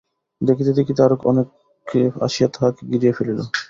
দেখিতে দেখিতে আরাে অনেকে আসিয়া তাঁহাকে ঘিরিয়া ফেলিল।